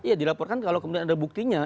ya dilaporkan kalau kemudian ada buktinya